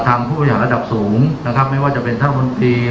ทางผู้พยารระดับสูงนะครับไม่ว่าจะเป็นท่านบนทีหรือ